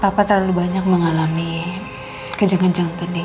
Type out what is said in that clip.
papa terlalu banyak mengalami kejeng kejeng tadi